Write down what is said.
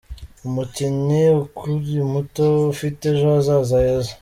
Umukinnyi ukiri muto ufite ejo hazaza heza.